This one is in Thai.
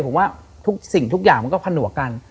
ผมว่าทุกสิ่งทุกอย่างมันก็ผนวกกัน